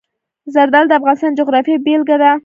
زردالو د افغانستان د جغرافیې بېلګه ده.